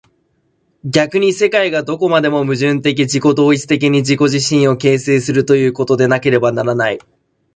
逆に世界がどこまでも矛盾的自己同一的に自己自身を形成するということでなければならない。